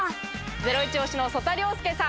ゼロイチ推しの曽田陵介さん。